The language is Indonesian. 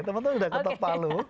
teman teman sudah ketepalu